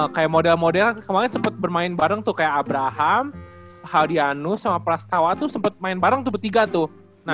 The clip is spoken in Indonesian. kayak model model kemarin sempat bermain bareng tuh kayak abraham haldianus sama prastawa tuh sempet main bareng tuh bertiga tuh